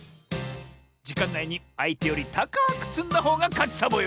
じかんないにあいてよりたかくつんだほうがかちサボよ！